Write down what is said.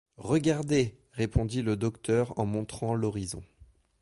Regardez, répondit le docteur en montrant l’horizon.